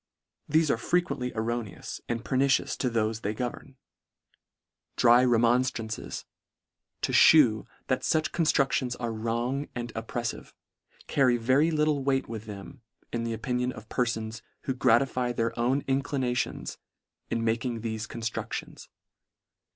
Thefe are frequently errone ous and pernicious to thofe they govern — Dry remonftrances, to (hew that fuch con structions are wrong and oppreffive, carry very little weight with them, in the opinion of perfons, who gratify their own inclinati ons in making thefe constructions.